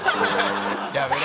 やめろ。